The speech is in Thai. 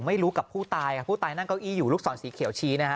ไม่รู้กับผู้ตายผู้ตายนั่งเก้าอี้อยู่ลูกศรสีเขียวชี้นะฮะ